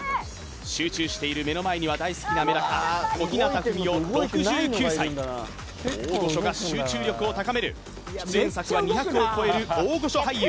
集中している目の前には大好きなメダカ小日向文世６９歳大御所が集中力を高める出演作は２００を超える大御所俳優